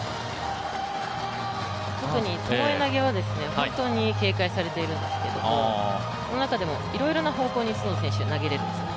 特にともえ投げは本当に警戒されているんですけれども、その中でもいろいろな方向に角田選手は投げれるんですね。